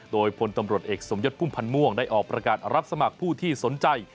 โดยพลตำรวจเอกสมยศพุ่มพันธ์ม่วงได้ออกประกาศรับสมัครผู้ที่สนใจ